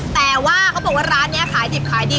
แต่ว่าเขาบอกว่าร้านนี้ขายดิบขายดี